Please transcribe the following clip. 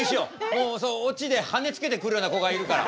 もうオチで羽つけてくるような子がいるから。